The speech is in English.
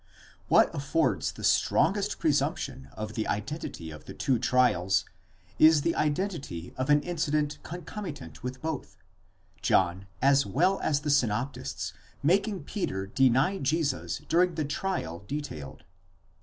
What affords the strongest presumption of the identity of the two trials is the identity of an incident concomitant with both, John as well as the synoptists making Peter deny Jesus during the trial detailed.